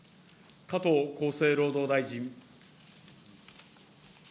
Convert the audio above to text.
加藤厚生労働大臣。